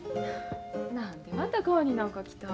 何でまた川になんか来たん？